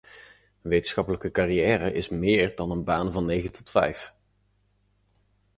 Een wetenschappelijke carrière is meer dan een baan van negen tot vijf.